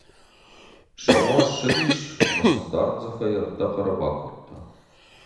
Сӕуа ссыдис ӕмӕ сӕм дӕрддзӕфӕй ӕртӕ хъӕры бакодта.